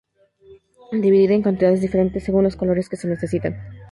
Dividida en cantidades diferentes, según los colores que se necesiten.